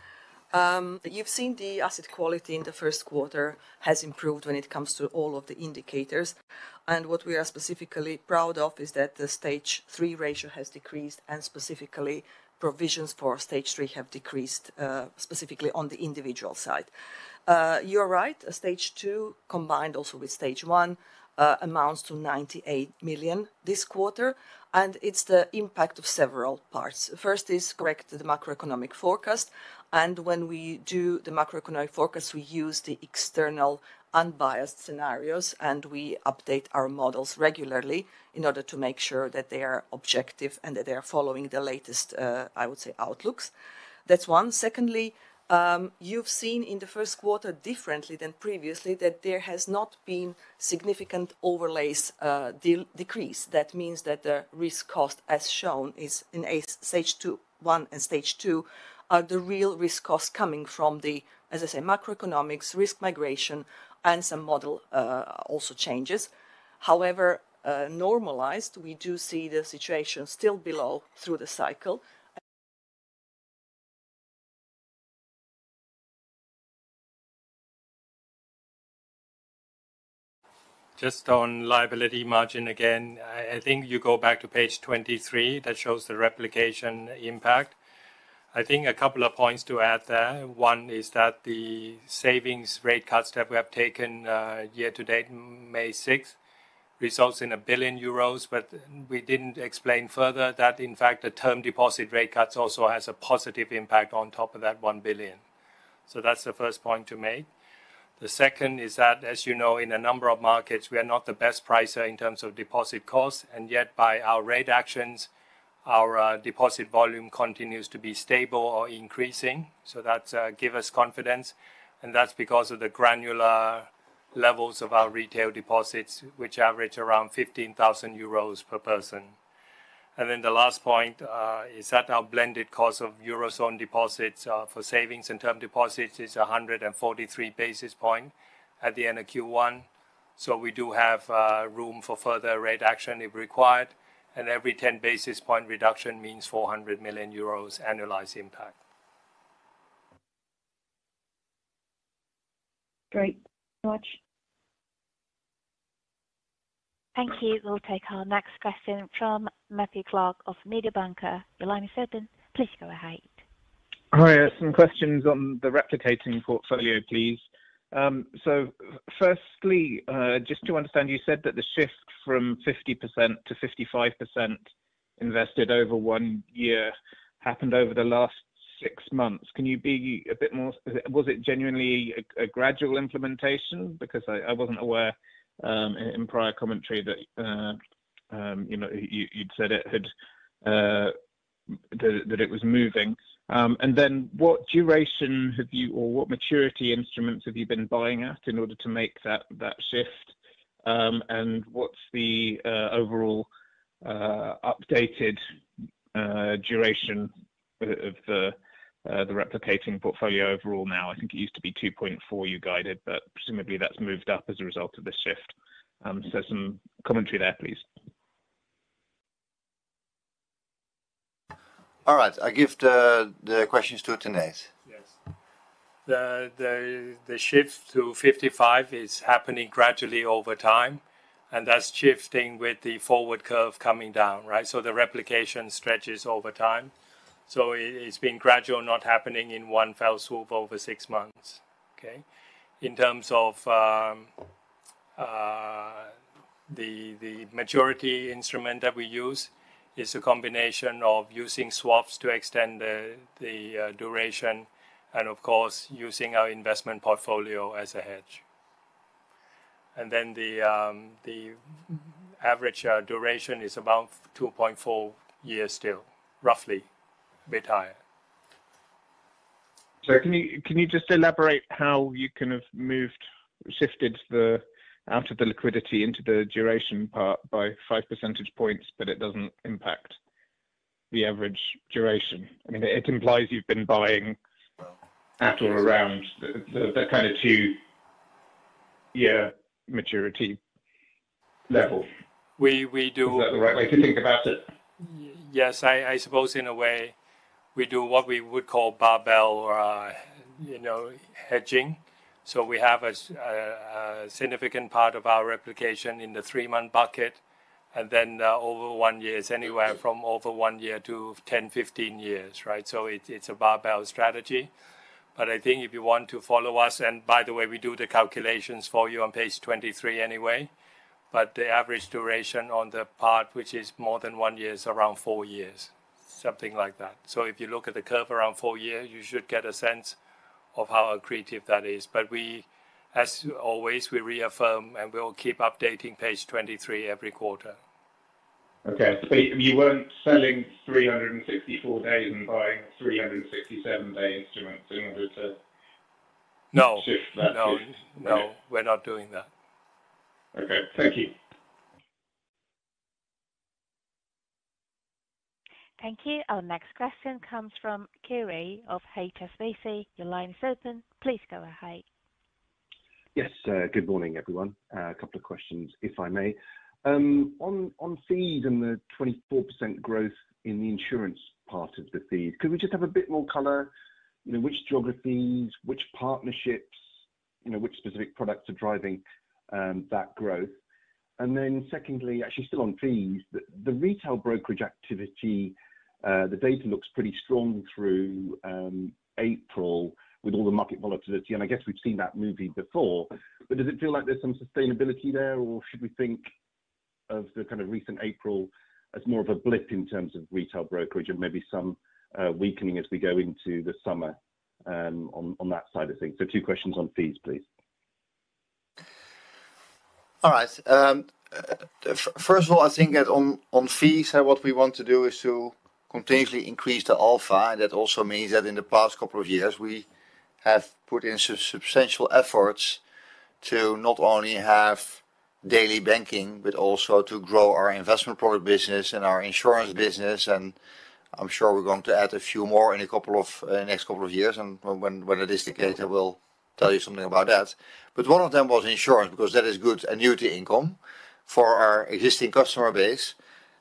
You've seen the asset quality in the first quarter has improved when it comes to all of the indicators. What we are specifically proud of is that the stage three ratio has decreased and specifically provisions for stage three have decreased specifically on the individual side. You're right. Stage two combined also with stage one amounts to 98 million this quarter. It's the impact of several parts. First is correct, the macroeconomic forecast. When we do the macroeconomic forecast, we use the external unbiased scenarios and we update our models regularly in order to make sure that they are objective and that they are following the latest, I would say, outlooks. That's one. Secondly, you've seen in the first quarter differently than previously that there has not been significant overlays decrease. That means that the risk cost as shown is in stage one and stage two are the real risk costs coming from the, as I say, macroeconomics, risk migration, and some model also changes. However, normalized, we do see the situation still below through the cycle. Just on liability margin again, I think you go back to page 23 that shows the replication impact. I think a couple of points to add there. One is that the savings rate cuts that we have taken year to date, May 6, results in 1 billion euros, but we did not explain further that in fact the term deposit rate cuts also has a positive impact on top of that 1 billion. That is the first point to make. The second is that, as you know, in a number of markets, we are not the best pricer in terms of deposit costs. Yet by our rate actions, our deposit volume continues to be stable or increasing. That gives us confidence. That is because of the granular levels of our retail deposits, which average around 15,000 euros per person. The last point is that our blended cost of eurozone deposits for savings and term deposits is 143 basis points at the end of Q1. We do have room for further rate action if required. Every 10 basis point reduction means 400 million euros annualized impact. Great. Thank you. We'll take our next question from Matthew Clark of Mediobanca. Your line is open. Please go ahead. Hi. I have some questions on the replicating portfolio, please. Firstly, just to understand, you said that the shift from 50% to 55% invested over one year happened over the last six months. Can you be a bit more? Was it genuinely a gradual implementation? Because I wasn't aware in prior commentary that you'd said that it was moving. What duration have you or what maturity instruments have you been buying at in order to make that shift? What's the overall updated duration of the replicating portfolio overall now? I think it used to be 2.4, you guided, but presumably that's moved up as a result of this shift. Some commentary there, please. All right. I give the questions to Tanate. Yes. The shift to 55 is happening gradually over time. That is shifting with the forward curve coming down, right? The replication stretches over time. It has been gradual, not happening in one fell swoop over six months, okay? In terms of the maturity instrument that we use, it is a combination of using swaps to extend the duration and, of course, using our investment portfolio as a hedge. The average duration is about 2.4 years still, roughly, a bit higher. Sorry. Can you just elaborate how you kind of moved, shifted out of the liquidity into the duration part by 5 percentage points, but it does not impact the average duration? I mean, it implies you have been buying at or around that kind of two-year maturity level. Is that the right way to think about it? Yes. I suppose in a way, we do what we would call barbell hedging. We have a significant part of our replication in the three-month bucket and then over one year, anywhere from over one year to 10-15 years, right? It is a barbell strategy. I think if you want to follow us, and by the way, we do the calculations for you on page 23 anyway, the average duration on the part which is more than one year is around four years, something like that. If you look at the curve around four years, you should get a sense of how accretive that is. As always, we reaffirm and we'll keep updating page 23 every quarter. Okay. You were not selling 364 days and buying 367-day instruments in order to shift that? No. No. No. We're not doing that. Okay. Thank you. Thank you. Our next question comes from Kiri Vijayarajah of HSBC. Your line is open. Please go ahead. Yes. Good morning, everyone. A couple of questions, if I may. On fees and the 24% growth in the insurance part of the fees, could we just have a bit more color? Which geographies, which partnerships, which specific products are driving that growth? Secondly, actually still on fees, the retail brokerage activity, the data looks pretty strong through April with all the market volatility. I guess we've seen that movie before. Does it feel like there's some sustainability there, or should we think of the kind of recent April as more of a blip in terms of retail brokerage and maybe some weakening as we go into the summer on that side of things? Two questions on fees, please. All right. First of all, I think that on fees, what we want to do is to continuously increase the alpha. That also means that in the past couple of years, we have put in substantial efforts to not only have daily banking, but also to grow our investment product business and our insurance business. I am sure we are going to add a few more in the next couple of years. When it is the case, I will tell you something about that. One of them was insurance because that is good annuity income for our existing customer base.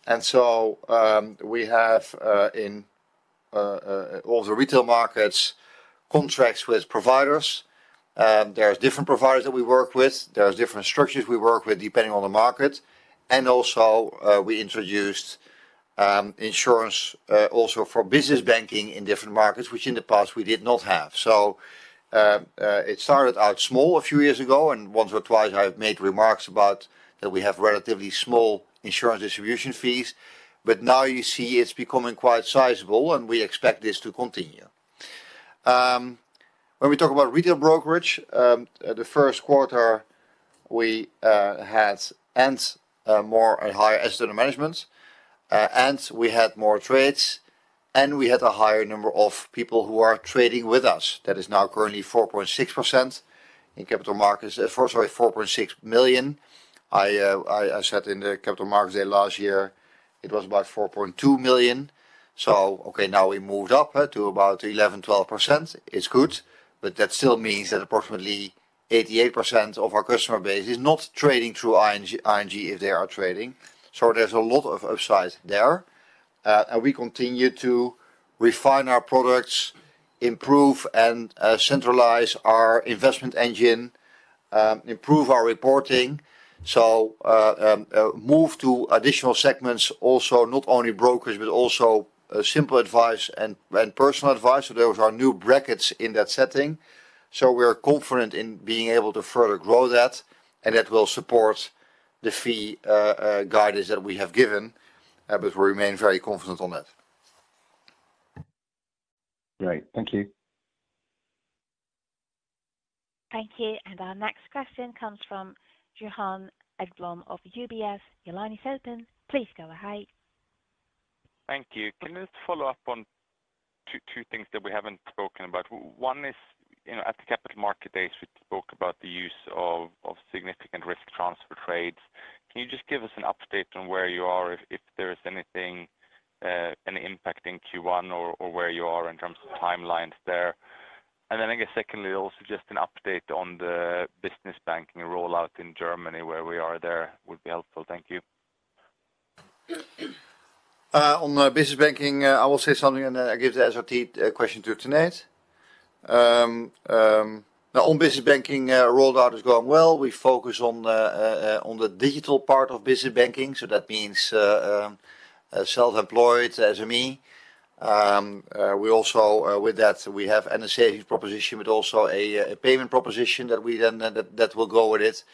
We have in all the retail markets contracts with providers. There are different providers that we work with. There are different structures we work with depending on the market. We introduced insurance also for business banking in different markets, which in the past we did not have. It started out small a few years ago. Once or twice, I've made remarks about that we have relatively small insurance distribution fees. Now you see it's becoming quite sizable, and we expect this to continue. When we talk about retail brokerage, the first quarter, we had more and higher asset management, and we had more trades, and we had a higher number of people who are trading with us. That is now currently 4.6 million. I said in the capital markets day last year, it was about 4.2 million. Now we moved up to about 11-12%. It's good. That still means that approximately 88% of our customer base is not trading through ING if they are trading. There is a lot of upside there. We continue to refine our products, improve and centralize our investment engine, improve our reporting, move to additional segments, also not only brokers, but also simple advice and personal advice. There are new brackets in that setting. We are confident in being able to further grow that, and that will support the fee guidance that we have given. We remain very confident on that. Great. Thank you. Thank you. Our next question comes from Johan Ekblom of UBS. Your line is open. Please go ahead. Thank you. Can you just follow up on two things that we haven't spoken about? One is at the capital market days, we spoke about the use of significant risk transfer trades. Can you just give us an update on where you are, if there is anything, any impact in Q1 or where you are in terms of timelines there? I guess secondly, also just an update on the business banking rollout in Germany, where we are there, would be helpful. Thank you. On business banking, I will say something, and I give the SRT question to Tanate. On business banking rollout is going well. We focus on the digital part of business banking. That means self-employed, SME. We also, with that, we have an associate proposition, but also a payment proposition that will go with it.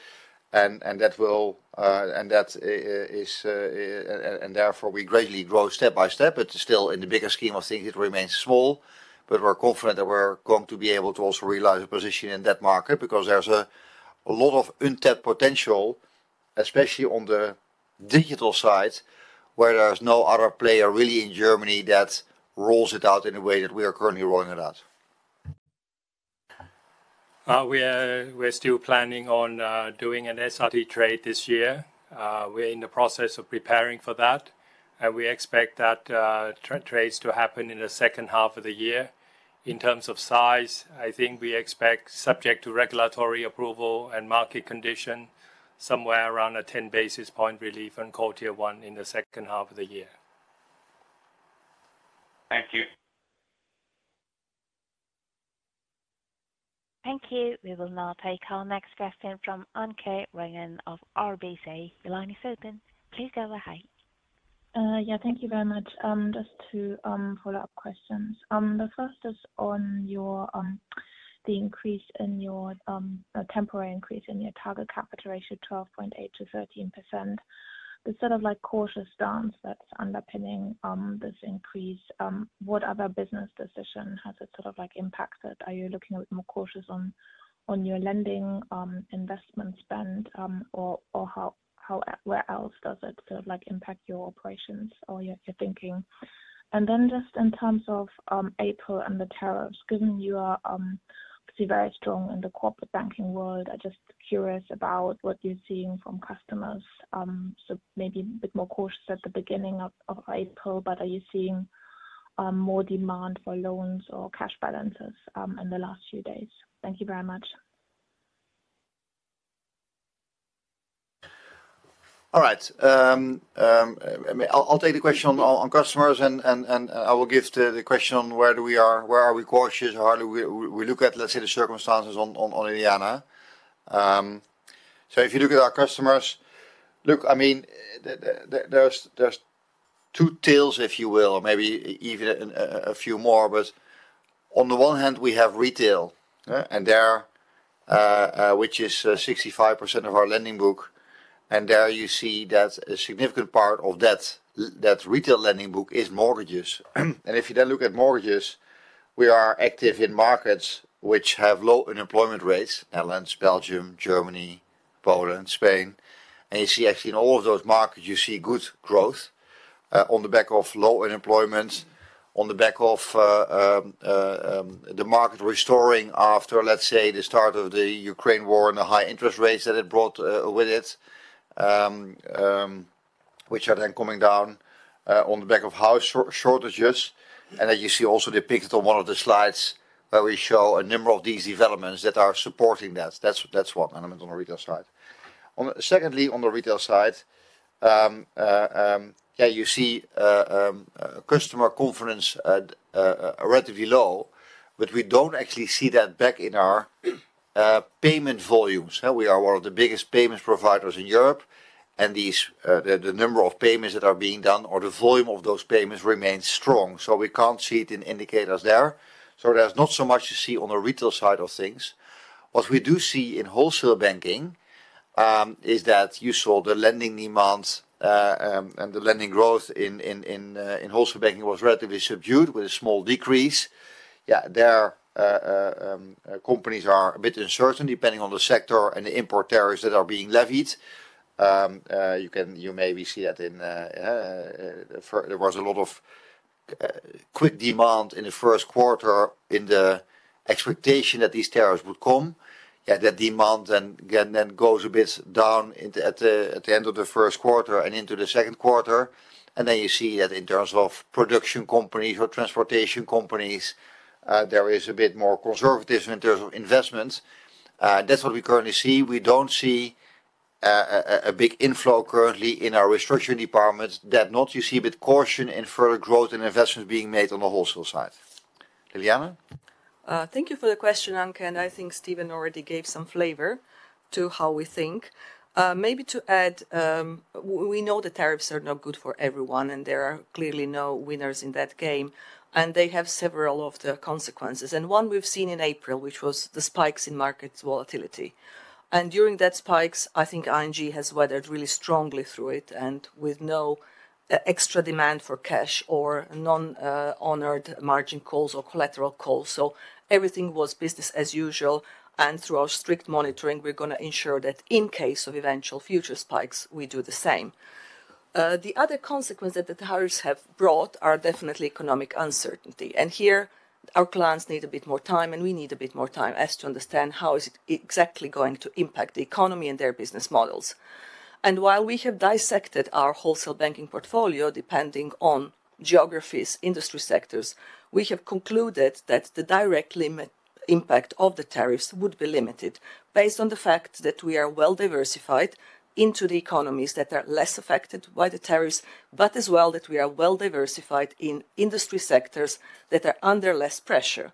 That will, and that is, and therefore we gradually grow step by step, but still in the bigger scheme of things, it remains small. We are confident that we are going to be able to also realize a position in that market because there is a lot of untapped potential, especially on the digital side, where there is no other player really in Germany that rolls it out in a way that we are currently rolling it out. We're still planning on doing an SRT trade this year. We're in the process of preparing for that. We expect that trade to happen in the second half of the year. In terms of size, I think we expect, subject to regulatory approval and market conditions, somewhere around a 10 basis point relief on quarter one in the second half of the year. Thank you. Thank you. We will now take our next question from Anke Reingen of RBC. Your line is open. Please go ahead. Yeah. Thank you very much. Just two follow-up questions. The first is on the increase in your temporary increase in your target capital ratio, 12.8% to 13%. The sort of cautious stance that's underpinning this increase, what other business decision has it sort of impacted? Are you looking a bit more cautious on your lending investment spend, or where else does it sort of impact your operations or your thinking? Just in terms of April and the tariffs, given you are very strong in the corporate banking world, I'm just curious about what you're seeing from customers. Maybe a bit more cautious at the beginning of April, but are you seeing more demand for loans or cash balances in the last few days? Thank you very much. All right. I'll take the question on customers, and I will give the question on where we are, where are we cautious, how do we look at, let's say, the circumstances on Ileana. If you look at our customers, look, I mean, there's two tails, if you will, or maybe even a few more. On the one hand, we have retail, which is 65% of our lending book. There you see that a significant part of that retail lending book is mortgages. If you then look at mortgages, we are active in markets which have low unemployment rates: Netherlands, Belgium, Germany, Poland, Spain. You see, actually, in all of those markets, you see good growth on the back of low unemployment, on the back of the market restoring after, let's say, the start of the Ukraine war and the high interest rates that it brought with it, which are then coming down on the back of house shortages. As you see also depicted on one of the slides, we show a number of these developments that are supporting that. That's one. I'm on the retail side. Secondly, on the retail side, you see customer confidence relatively low, but we don't actually see that back in our payment volumes. We are one of the biggest payments providers in Europe. The number of payments that are being done or the volume of those payments remains strong. We can't see it in indicators there. There is not so much to see on the retail side of things. What we do see in wholesale banking is that you saw the lending demand and the lending growth in wholesale banking was relatively subdued with a small decrease. Companies are a bit uncertain depending on the sector and the import tariffs that are being levied. You maybe see that there was a lot of quick demand in the first quarter in the expectation that these tariffs would come. That demand then goes a bit down at the end of the first quarter and into the second quarter. You see that in terms of production companies or transportation companies, there is a bit more conservatism in terms of investments. That is what we currently see. We do not see a big inflow currently in our restructuring departments. That not, you see a bit of caution in further growth and investments being made on the wholesale side. Ljiljana? Thank you for the question, Anke. I think Steven already gave some flavor to how we think. Maybe to add, we know the tariffs are not good for everyone, and there are clearly no winners in that game. They have several of the consequences. One we've seen in April, which was the spikes in market volatility. During that spikes, I think ING has weathered really strongly through it and with no extra demand for cash or non-honored margin calls or collateral calls. Everything was business as usual. Through our strict monitoring, we're going to ensure that in case of eventual future spikes, we do the same. The other consequence that the tariffs have brought are definitely economic uncertainty. Here, our clients need a bit more time, and we need a bit more time to understand how it is exactly going to impact the economy and their business models. While we have dissected our wholesale banking portfolio depending on geographies and industry sectors, we have concluded that the direct impact of the tariffs would be limited based on the fact that we are well diversified into the economies that are less affected by the tariffs, as well as that we are well diversified in industry sectors that are under less pressure.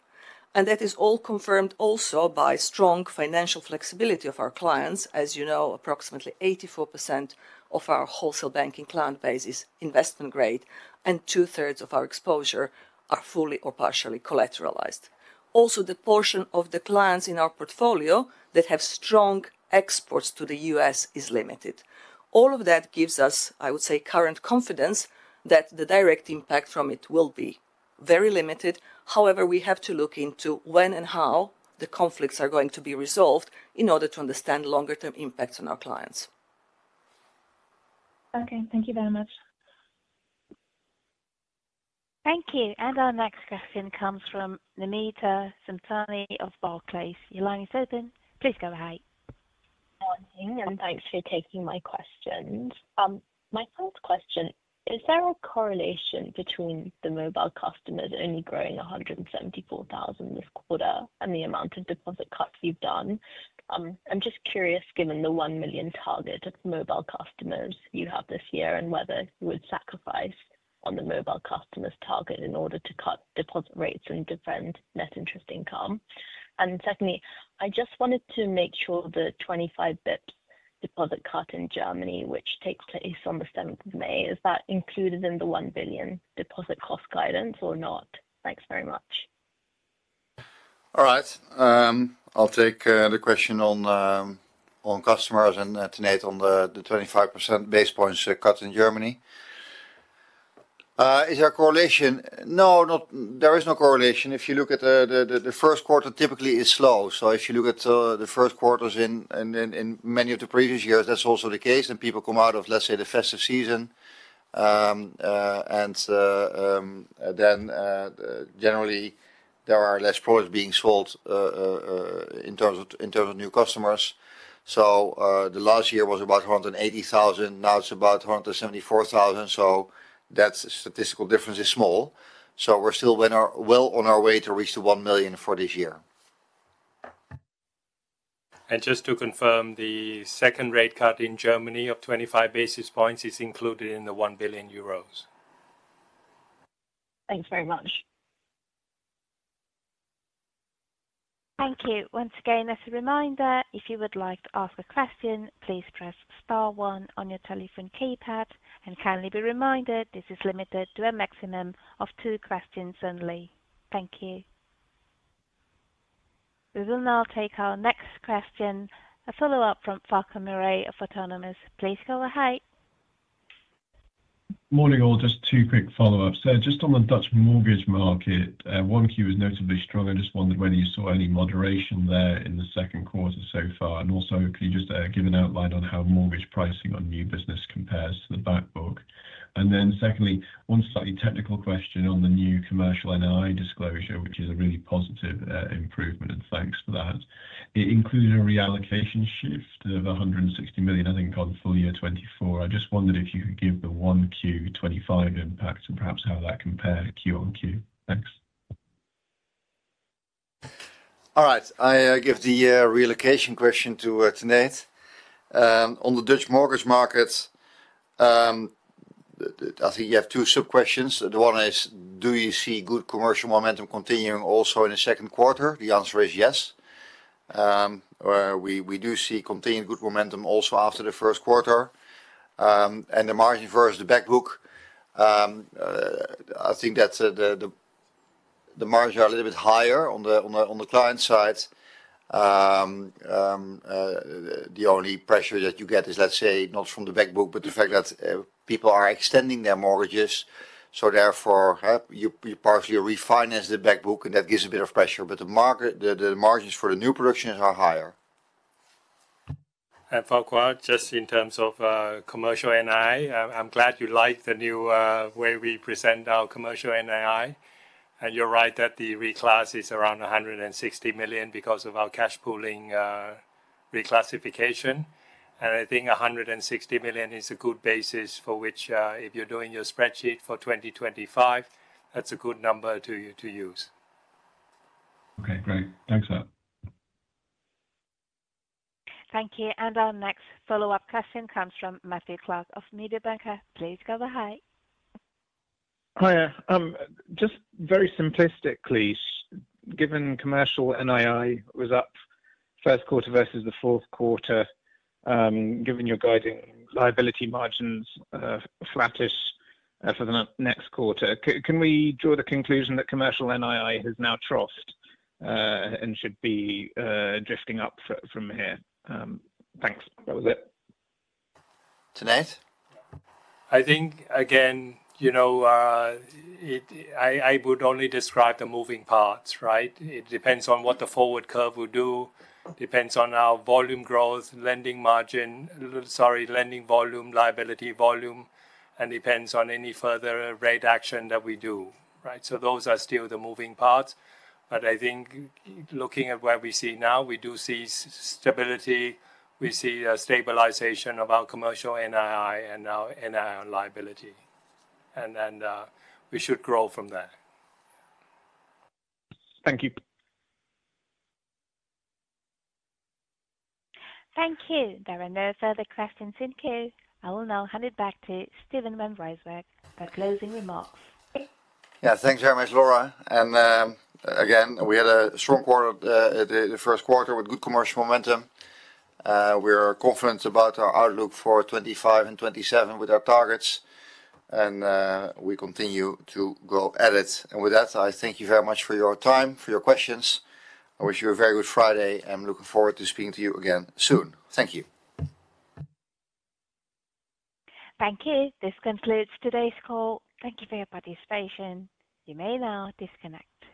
That is all confirmed also by strong financial flexibility of our clients. As you know, approximately 84% of our wholesale banking client base is investment grade, and two-thirds of our exposure are fully or partially collateralized. Also, the portion of the clients in our portfolio that have strong exports to the U.S. is limited. All of that gives us, I would say, current confidence that the direct impact from it will be very limited. However, we have to look into when and how the conflicts are going to be resolved in order to understand longer-term impacts on our clients. Okay. Thank you very much. Thank you. Our next question comes from Namita Samtani of Barclays. Your line is open. Please go ahead. Good morning, and thanks for taking my questions. My first question, is there a correlation between the mobile customers only growing 174,000 this quarter and the amount of deposit cuts you've done? I'm just curious, given the 1 million target of mobile customers you have this year and whether you would sacrifice on the mobile customers' target in order to cut deposit rates and defend net interest income. Secondly, I just wanted to make sure the 25 basis points deposit cut in Germany, which takes place on the 7th of May, is that included in the 1 billion deposit cost guidance or not? Thanks very much. All right. I'll take the question on customers and Tanate on the 25 basis points cut in Germany. Is there a correlation? No, there is no correlation. If you look at the first quarter, typically it's slow. If you look at the first quarters in many of the previous years, that's also the case. People come out of, let's say, the festive season. Generally, there are less products being sold in terms of new customers. Last year was about 180,000. Now it's about 174,000. That statistical difference is small. We're still well on our way to reach the 1 million for this year. Just to confirm, the second rate cut in Germany of 25 basis points is included in the 1 billion euros. Thanks very much. Thank you. Once again, as a reminder, if you would like to ask a question, please press star one on your telephone keypad. Kindly be reminded, this is limited to a maximum of two questions only. Thank you. We will now take our next question, a follow-up from Farquhar Murray of Autonomous. Please go ahead. Morning all. Just two quick follow-ups. Just on the Dutch mortgage market, one Q was notably strong. I just wondered whether you saw any moderation there in the second quarter so far. Also, can you just give an outline on how mortgage pricing on new business compares to the backbook? Secondly, one slightly technical question on the new commercial NII disclosure, which is a really positive improvement, and thanks for that. It included a reallocation shift of 160 million, I think, on full year 2024. I just wondered if you could give the one Q 2025 impact and perhaps how that compared Q1Q. Thanks. All right. I give the reallocation question to Tanate. On the Dutch mortgage markets, I think you have two sub-questions. The one is, do you see good commercial momentum continuing also in the second quarter? The answer is yes. We do see continued good momentum also after the first quarter. The margin versus the backbook, I think that the margins are a little bit higher on the client side. The only pressure that you get is, let's say, not from the backbook, but the fact that people are extending their mortgages. Therefore, you partially refinance the backbook, and that gives a bit of pressure. The margins for the new productions are higher. Falco, just in terms of commercial NII, I'm glad you like the new way we present our commercial NII. You're right that the reclass is around 160 million because of our cash pooling reclassification. I think 160 million is a good basis for which, if you're doing your spreadsheet for 2025, that's a good number to use. Okay. Great. Thanks, Anne. Thank you. Our next follow-up question comes from Matthew Clark of Mediobanca. Please go ahead. Hi. Just very simplistically, given commercial NII was up first quarter versus the fourth quarter, given your guiding liability margins flattish for the next quarter, can we draw the conclusion that commercial NII has now troughed and should be drifting up from here? Thanks. That was it. Tanate? I think, again, I would only describe the moving parts, right? It depends on what the forward curve will do. It depends on our volume growth, lending margin, sorry, lending volume, liability volume, and depends on any further rate action that we do, right? Those are still the moving parts. I think looking at where we see now, we do see stability. We see a stabilization of our commercial NII and our NII liability. We should grow from there. Thank you. Thank you. There are no further questions in queue. I will now hand it back to Steven van Rijswijk for closing remarks. Yeah. Thanks very much, Laura. Again, we had a strong quarter, the first quarter, with good commercial momentum. We are confident about our outlook for 2025 and 2027 with our targets. We continue to go at it. With that, I thank you very much for your time, for your questions. I wish you a very good Friday. I'm looking forward to speaking to you again soon. Thank you. Thank you. This concludes today's call. Thank you for your participation. You may now disconnect.